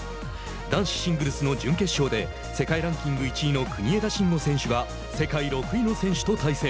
男子シングルスの準決勝で世界ランキング１位の国枝慎吾選手が世界６位の選手と対戦。